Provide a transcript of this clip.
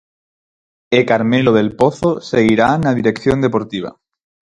E Carmelo Del Pozo seguirá na dirección deportiva.